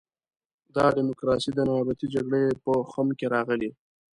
دا ډیموکراسي د نیابتي جګړې په خُم کې راغلې.